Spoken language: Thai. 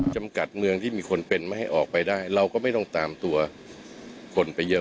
จำกัดเมืองที่มีคนเป็นไม่ให้ออกไปได้เราก็ไม่ต้องตามตัวคนไปเยอะ